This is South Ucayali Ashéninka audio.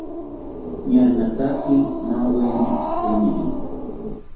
Añawetaki maaweni tziteniri